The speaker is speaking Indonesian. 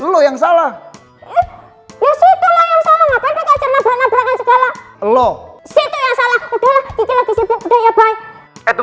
lo yang salah ya situ yang salah ngapain kau nabrak nabrak aja kalau lo situ yang salah